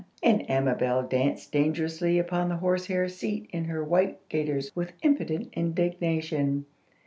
and Amabel danced dangerously upon the horsehair seat in her white gaiters with impotent indignation.